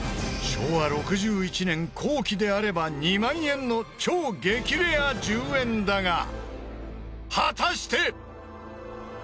昭和６１年後期であれば２万円の超激レア１０円だが果たして。